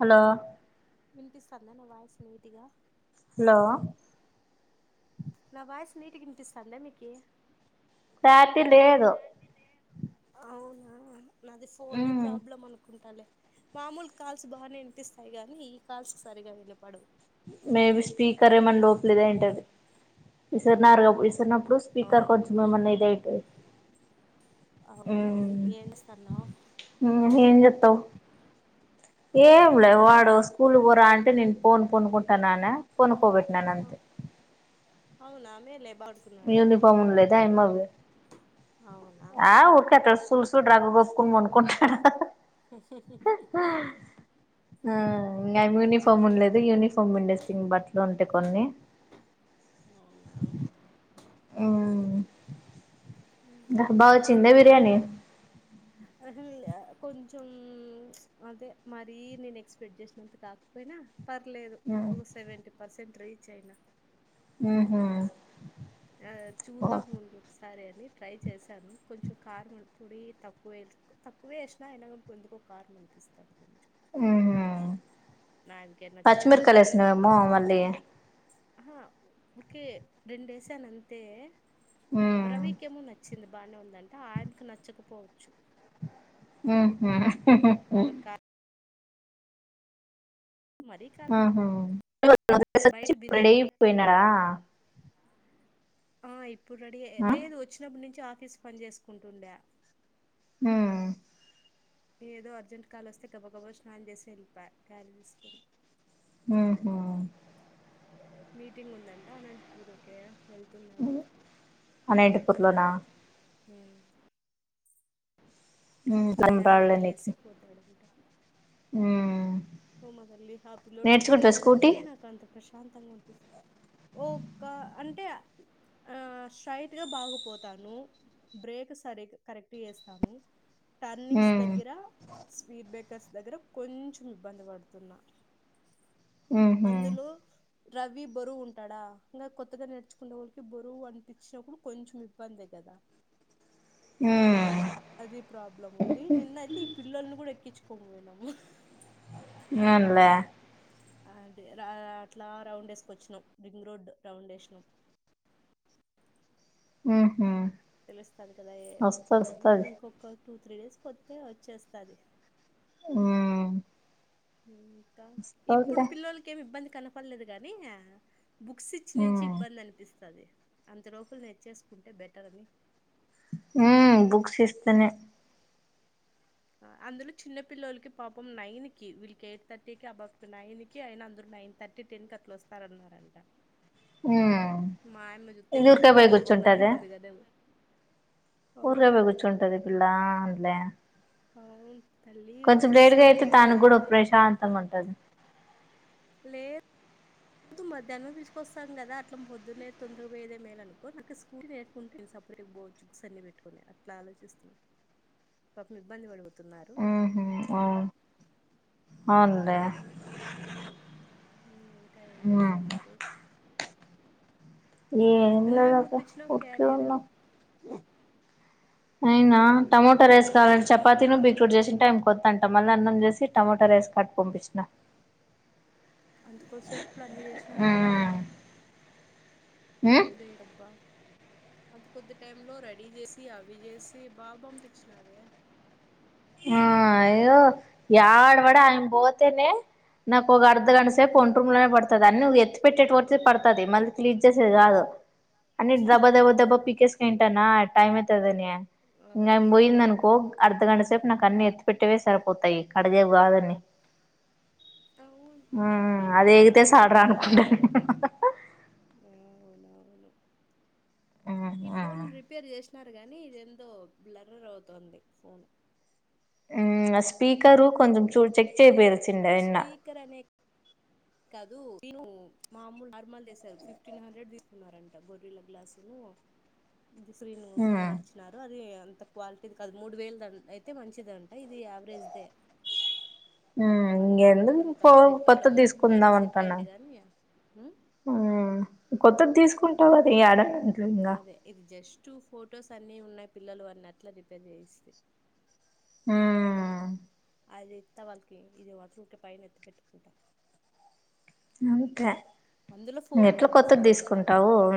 Hello వినిపిస్తాంద నా voice నీటిగా లో నా వాయిస్ నీటి గినిపిస్తాందా మీకి క్యాటి లేదు అవునా నాది ఫోనే మ్మ్ ప్రాబ్లం అనుకుంటాలే మామూల్ కాల్స్ బానే వినిపిస్తాయి గాని ఈ కాల్స్ సరిగా వినపడు మేబీ స్పీకర్ ఏమన్ లోపలేద ఏంటది ఇసర్ నార్గా విస్ తిన్నప్పుడు స్పీకర్ అవును కొంచెం ఏమన్నా ఇదయితే అవునవును ఊమ్మ్ ఏం చేస్తున్నావ్ హ్ ఏం జేత్తవ్ ఏం లే పనులు వాడు అయిపోయాయా స్కూల్ వోరా అంటే నేన్ పోన్ పొనుకుంటానన పొనుకోబెట్టినానంతే అవునా మేలే బర్డ్స్ యూనిఫార్మ్ ఉన్లేదా ఆయమ్మవి అవున ఆ ఉర్కట్ట సూడు సూడు రగు కప్కోని పనుకుంట హు హు హు ఆ ఇంగ్ ఐయాం యూనిఫామ్ ఉండలేదు యూనిఫామ్ ఉండేస్తే ఇం బట్టలు ఉంటె కొన్ని అవునా ఇమ్మ్మ్ ఇంకా ఘ బా ఓచ్చిందా బిర్యానీ అహ ల్యా కొంచెం అదే మరీ నేన్ ఎక్స్పెక్ట్ జేసినంత కాకపోయినా పర్లేదు మ్మ్ ఒక సెవెంటీ పర్సెంట్ రీచ్ అయినా ఊహు ఆదె చూద్దాం ఉండు సరే అని ట్రై చేశాను కొంచెం కార్ ము పొడి తక్కువే తక్కువ వేసినా అయినా కూడా కొందుకు కారం అనిపిస్తాంది కొంచెం ఆహా నాకే నచ్చుతుందో పచ్చిమిరకాయలు వేసినవేమో మళ్ళీ ఆహ ఊకే రెండేశానంతే ఉహు రవికేమో న చ్చింది బాగానే ఉందంట ఆయనకి నచ్చకపోవచ్చు ఊహు హు హు ఆడు కా మరీ కా ఆహా ఆఫీస్ నుండి బయట వచ్చి రెడీ అయి బిర్యానీ పోయినాడా ఆ ఇప్పుడు రెడీ లేదు వచ్చినప్పుడు నుంచి ఆఫీస్ పని చేసుకుంటుండే ఊ ఏదో అర్జెంట్ కాల్ వస్తే గబ గబ స్నానం చేసి ఎల్లిపోయ క్యారిర్ తీసుకొని ఊహు మీటింగ్ ఉందంట అనంతపూర్ ఊరి కే వెళ్తున్నాడు అనంతపూర్లోనా హ ఆమె చిన్నమ్మని వదిలేసి పోతాడుంటా ఊమ్ పోమ్మ తల్లి హ పిలోడు ఎంత దూరం ఉంటే నాకు అంత ప్రశాంతంగా అనిపిస్తది ఓక అంటే ఆ స్ట్రైట్గా బాగపోతాను బ్రేక్ సరిగ్ కరెక్ట్ చేస్తాను టర్నింగ్స్ ఉమ్ దగ్గర స్పీడ్ బ్రేకర్స్ దగ్గర కొంచెం ఇబ్బంది పడుతున్నా ఉహ అందులో రవీ బరువుంటాడా ఇలా కొత్తగా నేర్చుకునే వోళ్ళకి బరువు అనిపించినప్పుడు కొంచెం ఇబ్బందే కదా హ్మ్ అదే ప్రాబ్లం ఉంది నిన్నయితే ఈ పిల్లల్ని కూడా ఎక్కించుకొని పోయినాము అవునులే అంటే అట్లా రౌండ్ వేసుక వచ్చినాం రింగ్ రోడ్ రౌండ్ వేసినాం ఆహ తెలుస్తది కదా ఏ మాత్రం అని ఇంకొక టూ త్రీ డేస్ కొతే వచ్చేస్తది ఊ ఇప్పుడు పిల్లోలకి ఏమి ఇబ్బంది కనపడలేదు గానీ బుక్స్ ఉ ఇచ్చినించి ఇబ్బందనిపిస్తాది అంత లోపల నేర్చేసుకుంటే బెటర్ అని ఉ బుక్స్ ఇస్తేనే అందులో చిన్న పిల్లలకి పాపం నైన్ క వీళ్ళకి ఎయిట్ థర్టీ కి అబాబకి నైన్ కి ఆయన అందరూ నైన్ థర్టీ టెన్ కట్ల వస్తారన్నారంట ఉమ్ మాయమ్మ చూతే ఇది ఊరికే వీళ్ళతో పోయి పాటు పోల్డి కూర్చుంటదా ఉంది కదా అవును ఊర్లల్ల కూర్చుంటది పిల్లా అంట్లే అవును తల్లి కొంచెం లేటుగా అస్సలు అయితే ఏ దానికి కూడా ప్రశాంతంగా ఉంటది లే దు మధ్యాహ్నం తీసుకొస్తాం కదా అట్ల పొద్న్ననే తొందర పోయేదే మేలు అనుకో నాకు స్కూటీ కుంటేను సపరేట్ పోవచ్చు బుక్స్ అన్ని పెట్టుకుని అట్లా ఆలోచిస్తున్నాను పాపం ఇబ్బంది పడిపోతున్నారు ఉహు అవును అవున్లే ఉ ఇంకా ఏం చేస్తున్నారు? ఏం నువ్వేం లేదక్క పంపించినావు ఊర్కే క్యారియర్ ఉన్నా. అయినా టమోట రేస్ కావాలంటే చపాతినో బీట్రూట్ చేసింటే అయిపోత మళ్ళ అన్నం చేసి టమాట రైస్ కట్టి పంపించిన అంతకోసెప్ ల అన్ని చేసినావా? ఉమ్ ఉ ఉమ్ దేదబ్బ అంత కొద్ది టైంలో లో రెడీ చేసి అవి చేసి బా బంపిచినావే. ఆ అయ్యో యాడ వడి ఆయన్ పోతేనే నాకు ఒక అర్ధ గంట సేపు ఒంట్రూమ్ లోనే పడుతది. అన్ను ఎత్తి పెట్టేటోటిది పడుతది మళ్ళీ క్లీన్ చేసేది కాదు. అ దబా దబా దబా పీకేస్ కోయింటాన టైమ్ అయితదని ఇంకా ఆమ్ అవునవును బోయిందనుకో అర్ధగంట సేపు నాకు అన్ని ఎత్తి పెట్టేవే సరిపోతాయి కడిగేవి కాదని. అవును ఆ నాకి అదేగితే సాల్ రా అనుకుంట అవునవును ఈ ఫోన్ రిపేర్ చేస్ న్నారు గానీ ఇదేందో బ్లరర్ అవుతుంది ఫోన్ ఉ ఆ స్పీకరు కొంచం చూడ్ చెక్ చేపిరి స్పీకర్ అనే కాదు ను మామూల్ నార్మల్ దేసారు. ఫిఫ్టీన్ హండ్రెడ్ తీసుకున్నారంట గొర్రెల గ్లాసు ను ది స్క్రీన్ మ్మ్ మార్చ్ నారు అది అంత క్వాలిటీది కాదు మూడు వేలుదన్ అయితే మంచిది అంట ఇది యావరేజ్ దే ఇంగ ఎందు అదంతా కో సెట్ అవ్వలే కొత్తది తీస్ ముందుది బాగానే కుందాం సెట్ అనుకున్న అయింది కానీ ఉమ్, ఆ కొత్తది తీసుకుంటవు అది యాడ అదే ఇది జస్ట్ ఫొటోస్ అన్ని ఉన్నయి పిల్లలు అన్నీ అట్ల రిపేర్ చేయిస్తి. ఆ అదిత్త వాళ్కి ఇది వత్తుకే కాదు పైన ఎత్తి పెట్టుకుంటా. అందులో ఫోన్ ఎట్ల కొత్తది తగ్గిస్తాను అబ్బా ధీసుకుంటవు ఉ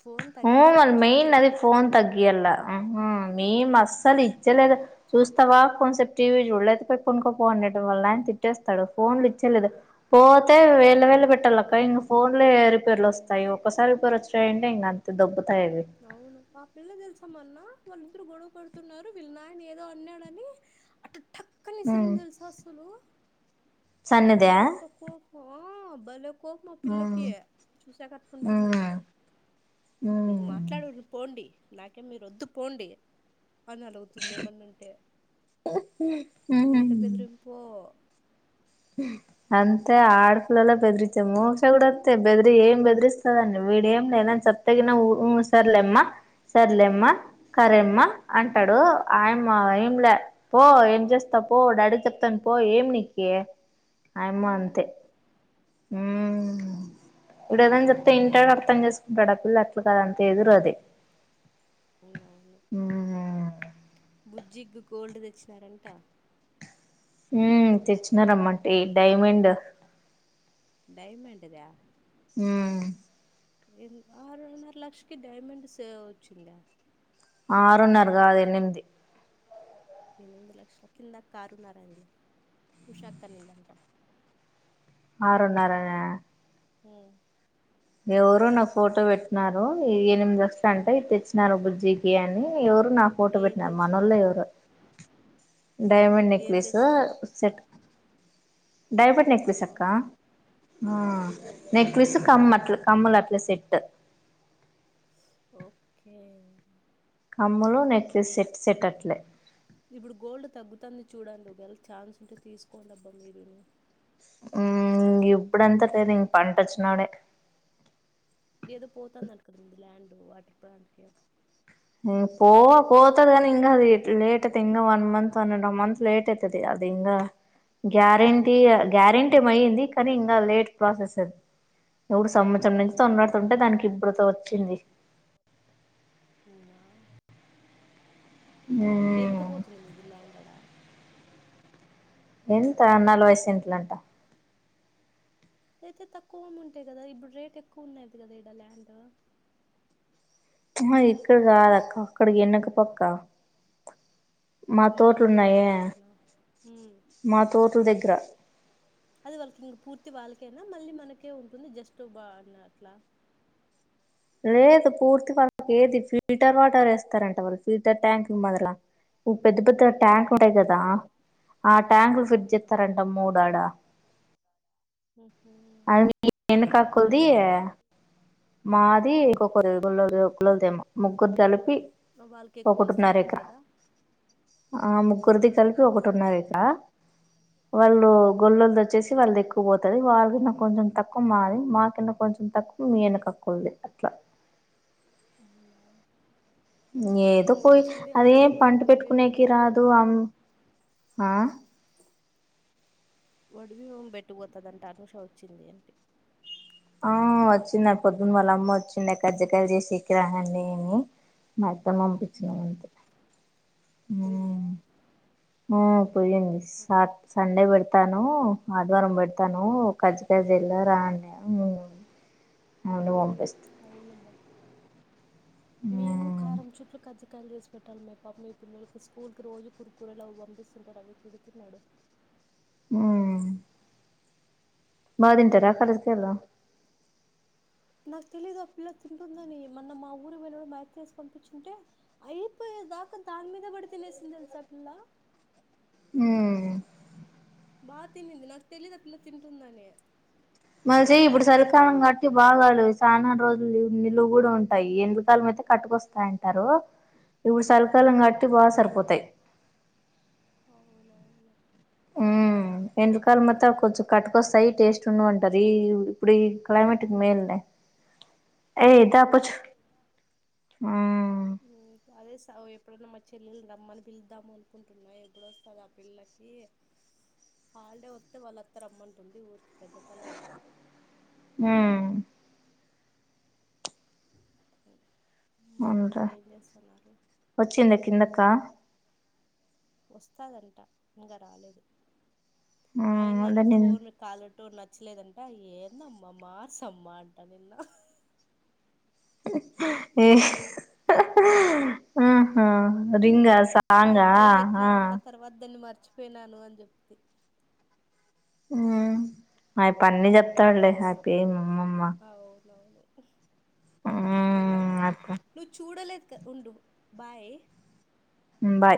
ఫోన్ అవును తగ్గిస్తా మల్ ఫస్ట్ మెయిన్ అదే పిల్లలకి ఫోన్ ఇచ్చేదే తగ్గియల్లా ఆహా మేము అస్సలు ఇచ్చలేదు చూస్తావా కొంసేప్ టీవీ చూడు లేకపోతే పన్కొ పో ఉండట వాల్ నాయన తిట్టేస్తాడు ఫోన్లు ఇచ్చేలేదు. పోతే వేలు వేలు పెట్టాలక్క ఇంగ పోన్లే ఉమ్ రీపేర్లొస్తాయి ఒకసారి రీపేరోచినాయంటే ఇంగ అంతే దొబ్బుతాయి అవి. అవును ఆ పిల్ల తెల్స మొన్నా వాళ్లిద్దరూ గొడవ పడుతున్నారు విల్ నాయన ఏదో అన్నాడనీ అట టక్కని ఉమ్ ఇసిరింది తెల్సా అసలు బ సన్నదా ఎంత కోపం బలే కోపము ఆ ఊ పిల్లకి చూసేకి ఊ అట్లుంటుంది. నేన్ ఊ మాట్లాడును పోండి. నాకేం మీరోద్దు పోండి. అని అలుగుతుంది ఏమన్న అంటే ఎంత బెదిరింపో అంతే ఆడ పిల్లలే బెదిరిచము మోక్ష కూడ అంతే బెదిరి ఏం బెదరిస్ తదండి వేదం లే ఎదన్ చెప్తే గీన ఉమ్ ఉ ఊ సర్ లెమ్మా సర్లేమ్మ కరేమ్మ అంటడు ఉమ్, ఆయమ్మ ఏంలా పో ఎం చేస్తవ్ పో డాడిక్ చెప్తన్ పో ఏం నీకీ అయమ్మో ఉమ్, అంతే ఊ ఈడు ఉమ్, ఏదన్ చెప్తే ఉమ్. ఇంటడు అర్థం చేస్ టడు ఆ పిల్ల అట్లు కాదు అంతే ఎదురు అది అవునవును బుజ్జిగ్ గు గోల్డ్ తెచ్చినా రంటా ఊ తెచ్చినారమ్మంటే డైమైండు డై మైండ్ ద్యా ఊ ఏం ద్ఆరున్నర లక్ష కే డైమైండ్ స్ వచ్చిం ద్యా ఆరున్నార గాదు ఎనిమిది ఎనిమిది లక్షల కింద కారున్నారండ్లే ఉషాక్కనిందంటా ఆరున్నర న్య హ్ము ఎవ్వరో నాఫోటో పెట్నారూ ఎనిమిదొస్థాంటే ఇట్లిచ్చినారు బుజ్జీకి అని ఎవరో నా ఫోటో ఏం పెట్నారు మనోళ్లే తెచ్చినారు ఎవరో డై కాదు మైండ్ ఏం నెక్లెస్సో తెచ్చినారు సెట్ డై బైడ్ నెక్లెస్ అవునా అక్క ఆ ఓకే ఓకే నెక్లెస్సుకమ్మలు అట్ల కమ్ముల్ అట్లె సెట్టు ఉస్ఓకే కమ్ములు నెక్లెస్ సెట్ సెట్ అట్లే ఇబ్బుడు గోల్డ్ తగ్గుతాంది చూడండి ఒకవేలా ఛాన్స్ ఉంటే తీసుకోండి అబ్బా మీరు ఊఇప్పుడుంతా తేనేం పంట వచ్చి నప్పుడే ఏదో పోతాంది అంట కదా మీదిల్యాండ్ వాటర్ ప్లాంట్ కేం ఏ పో పోతాది గానీ ఇంగఅది లేట్ అయితే ఇంగా one month one and half month late అయితే అది అది ఇంగా గ్యారెంటీ టీ అవునా గ్యారెంటె మిఅయింది కానీఇంగా లేట్ ప్రాసెస్ర్ అది టి ఒగ సంవత్సరం నుంచి తొడ్లాడుతుంటే దానికి ఇప్పుడుత వచ్చింది ఉన్నా హ్ము ఎం తపోతుంది మీది ల్యాండ్ ఆడా ఎంత నాలభై సెంట్లం ట అయితే తక్కువ అమ్ ఉంటాయి కదా ఇబ్బుడు రేట్ ఎక్కువ ఉన్నాయంట గదా ల్యాండు అమ్మ ఇక్కడ గాదు అక్క అక్క డెనక పక్క మా మన ఊరికే ఎనుక తోట్లున్నాయే పక్కన ఉమ్ మా తోట్ల దగ్గర అది వాళ్ళకి ఇంక పూర్తి వాళ్ళకేనా మళ్ళీ మనకే ఉంటుంది జస్టు బా అన్న అట్లా లేదు పూర్తి వాళ్ళకి ఏది ఫిల్టర్ వాటర్ వేస్తారంట వాళ్ళు ఫిల్టర్ ట్యాంక్ మొదల ఉప్ పెద్ద పెద్ ఆట్యాంక్ హ్మ్ ఉంటాయి కదా ఆ ట్యాంకులు ఫిడ్జ్ అవునవును జేస్తారంట మూడా ఆడా ఉహూ అందుకి ఎనుకాకుది మా ద్ హ్మ్ [inaudible] ముగ్గురు తలిపి వాళ్ళకి ఎక్కువ ఒకటున్నా వస్తదంట రెకరా కదా ఆముగ్గురిది కలిపి అదే ఒక అదే టిన్నా రెకరా వాళ్ళు గోల్లోల్లు వచ్చేసి ఉమ్, వాళ్ళు దెక్కు పోతాది వాళ్ళ కిన్నా కొంచెం తక్కువ మాది మా కిన్నా కొంచెం తక్కువ మీ ఎన కక్కోల్ల ది త అం మొ ఏదో పోయి అనూష అదేం ఒడి- పంట ఒడిబియ్యం పెట్టుకునేకి రాదు గట్టుకుపోతదంట అమ్ ఆ ఒడి బిమూపెట్ట బోతాదంటఅనుషా వచ్చింది అంటి ఆ వచ్చిం న్య పొద్దున్న వాళ్ళమ్మ వచ్చిం డ్యా కర్జికాయలు చేసేకి రానిరాండని మా యత్త ను ఉమ్, పంపిచ్చినానంటి పోయిందా ఆ పోయింది సాట్ సండే పెడుత్ తాను ఆదివారం పెడతాను కజ్జికాయ్ చేయాల రాండి అని ఊ అవును వొంపేస్త అవునబ్బా నేను మ్మ్ కారం చుట్లు కజ్జి కాయలు చేసి పెట్టాలి మే పాపం ఈ పిల్లోల్ కి స్కూల్ కి రోజు కురుకురేలవి పంపిస్తుంటా అవి తిడుతున్నాడు ఊ బా దింటరా కర్జికాయలు నాక్ తెలీదు ఆ పిల్ల తింటుందని మొన్న మా ఊరి పోయినపుడు మా అత్తేసి పంపించింటే అయిపోయే దాకా దాని మీదే పడి తినేసింది తెల్సా ఆ పిల్ల ఉ బా తినింది నాకు తెలీదు అ పిల్లా తింటుందని మల్ చెయ్ ఇప్పుడు చలికాలం కట్టి బాగా చానా రోజులు నిలువ కూడా ఉంటాయి ఎండలకాలం అయితే కట్టుకొస్తాయంటారు అ ఇప్పుడు సలికాలం కట్టి బాగా సరిపోతాయి అవునవును ఎండలకాలం మైతే కొంచెం కటుకొస్తాయి టేస్ట్ ఉండవ్ అంటది ఈ ఇప్పుడు ఈ క్లైమేట్ కి మేలులే ఏ ద అవును పొచ్చు.. ఊ ఉమ్, అదే సావ్ ఎప్పుడన్నా మా చెల్లెలు రమ్మని పిలుద్దాము అనుకుంటున్నా ఎప్పుడు వస్తది ఆ పిల్లకి హాలిడే వత్తే వాళ్ళత్త రమ్మంటుంది ఊరికి పెద్ద తల నొప్పి ఊ అ మన్రా వచ్చిందా కిందక వస్తాదంట ఇంకా రాలేదు ఆ మా ఆయన నా అదే నిన్ ఫోన్ కాలర్ టోన్ నచ్చలేదంట ఏందమ్మా మార్సమ్మ అంట నిన్న ఆహా రింగా సా అది ఎప్పుడో పెట్టినానన్న తర్వాత దాన్ని మర్చిపోయినాను అని జెప్తి ఊ ఆయప్ప అన్ని చెప్తాడులె ఆయప్ప ఏం అమ్మమ్మ అవునవును మొన్న ఉమ్ అయప్ప నువ్వు చూడలేదు క ఉండు బాయ్ ఉమ్ బై